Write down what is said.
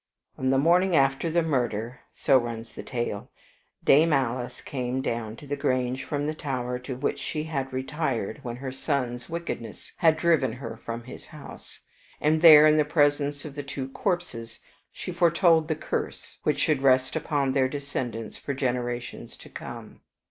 On the morning after the murder, so runs the tale, Dame Alice came down to the Grange from the tower to which she had retired when her son's wickednesses had driven her from his house, and there in the presence of the two corpses she foretold the curse which should rest upon their descendants for generations to come.